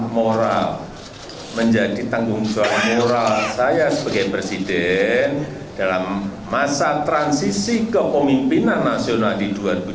moral menjadi tanggung jawab moral saya sebagai presiden dalam masa transisi kepemimpinan nasional di dua ribu dua puluh